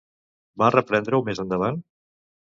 Va reprendre-ho més endavant?